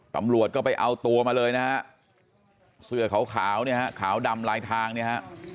ตำรวจก็ไปเอาตัวมาเลยนะฮะเสื้อขาวเนี่ยฮะขาวดำลายทางเนี่ยฮะ